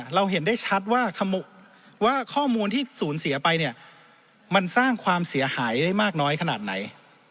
เราเห็นได้ชัดว่าข้อมูลที่ศูนย์เสียไปเนี่ยมันสร้างความเสียหายได้มากน้อยขนาดไหน